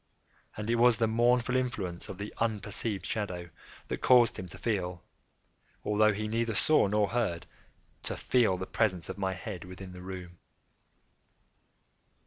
And it was the mournful influence of the unperceived shadow that caused him to feel—although he neither saw nor heard—to feel the presence of my head within the room.